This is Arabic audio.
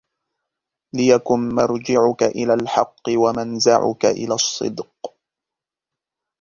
لِيَكُنْ مَرْجِعُك إلَى الْحَقِّ وَمَنْزَعُكَ إلَى الصِّدْقِ